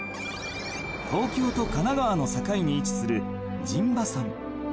［東京と神奈川の境に位置する陣馬山］